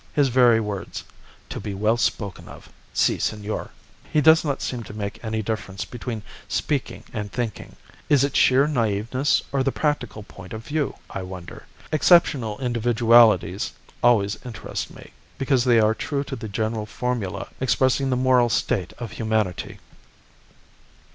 His very words, 'To be well spoken of. Si, senor.' He does not seem to make any difference between speaking and thinking. Is it sheer naiveness or the practical point of view, I wonder? Exceptional individualities always interest me, because they are true to the general formula expressing the moral state of humanity.